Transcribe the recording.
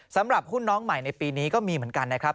สำหรับหุ้นน้องใหม่ในปีนี้ก็มีเหมือนกันนะครับ